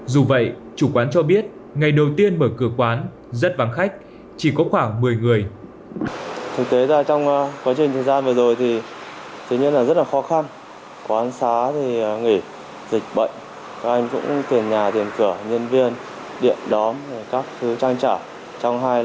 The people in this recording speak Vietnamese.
dù vậy chủ quán cho biết ngày đầu tiên mở cửa quán rất vắng khách chỉ có khoảng một mươi người